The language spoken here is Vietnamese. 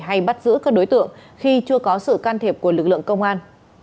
hay bắt giữ các đối tượng khi chưa có sự can thiệp của lực lượng công an